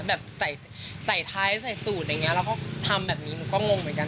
แบบใส่ใส่ท้ายใส่สูตรอย่างเงี้แล้วก็ทำแบบนี้หนูก็งงเหมือนกัน